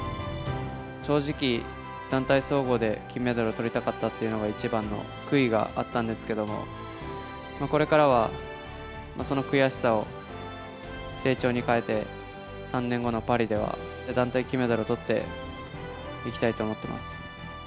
正直、団体総合で金メダルをとりたかったっていうのが、一番の悔いがあったんですけれども、これからはその悔しさを成長に変えて、３年後のパリでは、団体金メダルをとっていきたいと思ってます。